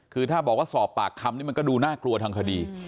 คือถ้าบอกว่าสอบปากคำนี่มันก็ดูน่ากลัวทางคดี